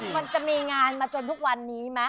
มันจะมีงานมาจนทุกวันนี้ไหม